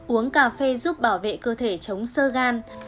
uống cà phê giúp bảo vệ cơ thể chống sơ gan